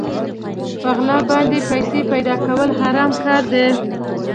په غلا باندې پيسې پيدا کول حرام کار دی.